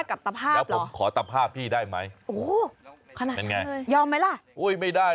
ขับรถอ้านหมอเตอร์ไซค์ป้ายแดงมา